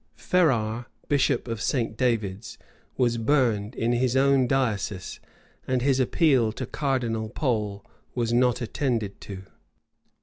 Ferrar, bishop of St. David's, was burned in his own diocese and his appeal to Cardinal Pole was not attended to.